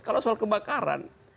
kalau soal kebakaran